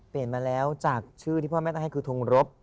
มาแล้วจากชื่อที่พ่อแม่ต้องให้คือทงรบ